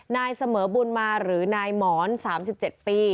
นายเสมอบุญมาหรือนายหมอน๓๗ปี